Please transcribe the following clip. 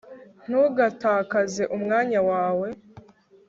ntugatakaze umwanya wawe